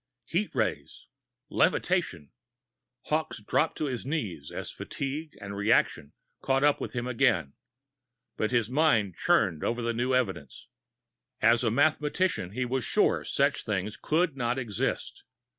Heat rays! Levitation! Hawkes dropped to his knees as fatigue and reaction caught up with him again, but his mind churned over the new evidence. As a mathematician, he was sure such things could not exist.